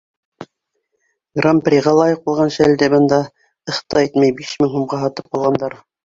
Гран-приға лайыҡ булған шәлде бында «ыһ» та итмәй биш мең һумға һатып алғандар.